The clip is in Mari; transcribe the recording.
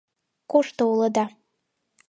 Кушто улыда?